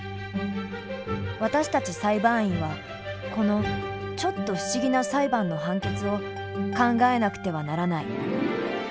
私たち裁判員はこのちょっと不思議な裁判の判決を考えなくてはならない。